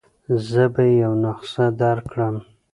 زه به يې یوه نسخه درکړم.